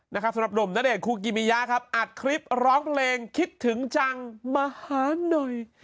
สำหรับแนธกุกีเมย่าครับอัดคลิปร้องเพลงคิดถึงจังมหาหน่อย